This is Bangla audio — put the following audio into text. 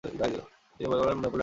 তিনি হয়ে পড়েন নেপোলিয়নের সমর্থক।